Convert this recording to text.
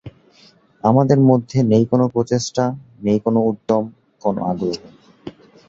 আমাদের মধ্যে নেই কোনো প্রচেষ্টা, নেই কোনো উদ্যম, কোনো আগ্রহ।